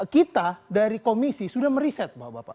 kita dari komisi sudah meriset